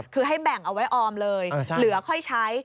คือให้แบ่งเอาไว้ออมเลยเหลือค่อยใช้